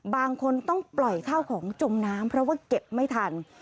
บางคนต้องปล่อยข้าวของจมน้ำเพราะว่าเก็บไม่ทัน